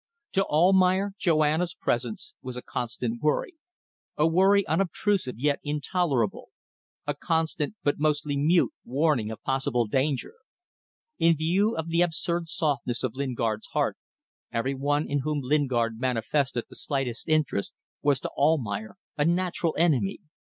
To Almayer, Joanna's presence was a constant worry, a worry unobtrusive yet intolerable; a constant, but mostly mute, warning of possible danger. In view of the absurd softness of Lingard's heart, every one in whom Lingard manifested the slightest interest was to Almayer a natural enemy.